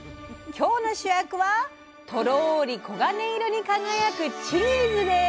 今日の主役はとろり黄金色に輝く「チーズ」です。